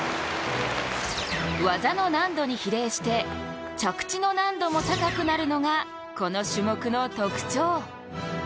技の難度に比例して着地の難度も高くなるのがこの種目の特徴。